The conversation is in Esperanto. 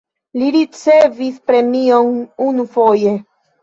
Li ricevis premion unufoje.